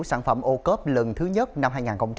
sản phẩm o cop lần thứ nhất năm hai nghìn hai mươi bốn